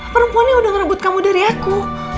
perempuannya udah ngerebut kamu dari aku